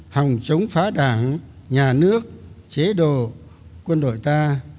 hòng chống phá đảng nhà nước chế độ quân đội ta